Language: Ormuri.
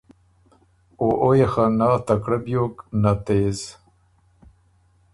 او او يې خه نۀ تکړۀ بیوک، نۀ تېز۔